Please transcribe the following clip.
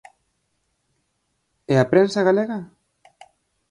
E a prensa galega?